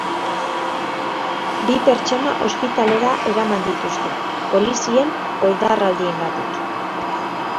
Bi pertsona ospitalera eraman dituzte, polizien oldarraldiengatik.